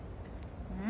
うん？